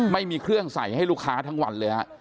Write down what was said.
ไม่มีเครื่องใส่ให้ลูกค้าทั้งวันเลยฮะ